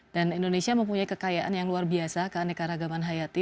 dan indonesia mempunyai kekayaan yang luar biasa keanekaragaman hayati